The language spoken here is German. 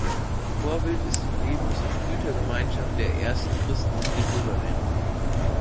Vorbild ist die Lebens- und Gütergemeinschaft der ersten Christen in Jerusalem.